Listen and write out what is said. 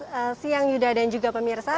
selamat siang yuda dan juga pemirsa